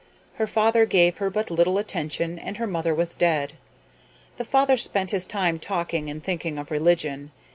Her father gave her but little attention and her mother was dead. The father spent his time talking and thinking of religion.